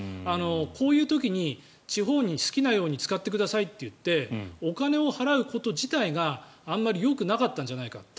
こういう時に地方に好きなように使ってくださいと言ってお金を払うこと自体があまりよくなかったんじゃないかと。